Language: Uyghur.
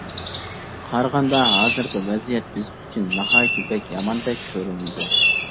قارىغاندا ھازىرقى ۋەزىيەت بىز ئۈچۈن ناھايىتى بەك ياماندەك كۆرۈنىدۇ.